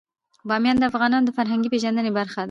بامیان د افغانانو د فرهنګي پیژندنې برخه ده.